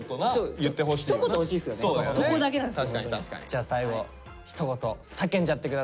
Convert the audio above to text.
じゃあ最後ひと言叫んじゃってください。